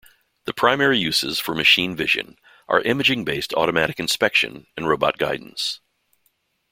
The primary uses for machine vision are imaging-based automatic inspection and robot guidance.